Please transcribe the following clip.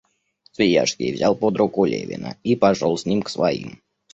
Свияжский взял под-руку Левина и пошел с ним к своим.